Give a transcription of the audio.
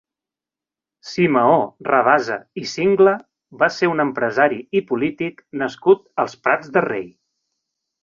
Simeó Rabasa i Singla va ser un empresari i polític nascut als Prats de Rei.